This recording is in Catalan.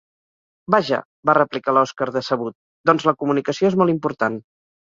Vaja —va replicar l'Oskar, decebut—, doncs la comunicació és molt important.